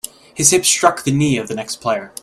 His hip struck the knee of the next player.